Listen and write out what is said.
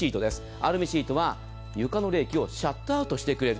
アルミシートは床の冷気をシャットアウトしてくれる。